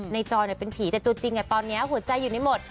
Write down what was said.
ในจ่อมันเป็นผีแต่ตัวจริงเนี่ยตอนนี้หัวใจอยู่ในหมด